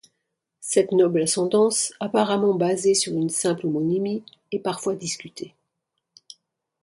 Cette noble ascendance, apparemment basée sur une simple homonymie, est parfois discutée.